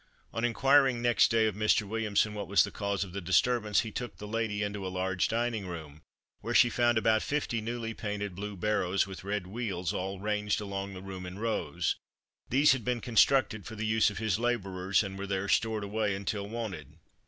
On inquiring next day of Mr. Williamson what was the cause of the disturbance he took the lady into a large dining room, where she found about fifty newly painted blue barrows with red wheels all ranged along the room in rows. These had been constructed for the use of his labourers and were there stored away until wanted.